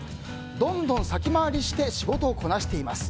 どんどん先回りして仕事をこなしています。